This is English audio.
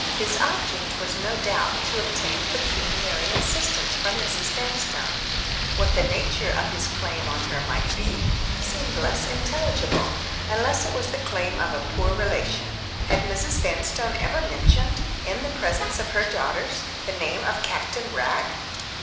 His object was, no doubt, to obtain pecuniary assistance from Mrs. Vanstone. What the nature of his claim on her might be seemed less intelligible—unless it was the claim of a poor relation. Had Mrs. Vanstone ever mentioned, in the presence of her daughters, the name of Captain Wragge?